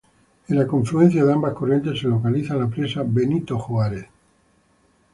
En la confluencia de ambas corrientes se localiza la presa Benito Juárez.